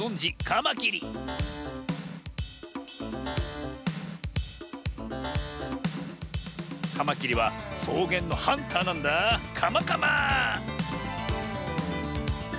カマキリはそうげんのハンターなんだカマカマ。